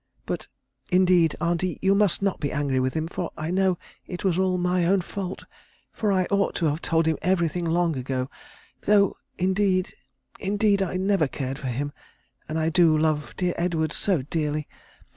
But, indeed, auntie, you must not be angry with him, for I know it was all my own fault, for I ought to have told him everything long ago, though indeed, indeed, I never cared for him, and I do love dear Edward so dearly.